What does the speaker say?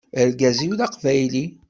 Argaz-iw d aqbayli.